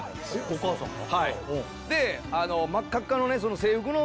お母さんが？